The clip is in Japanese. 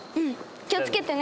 気を付けてね。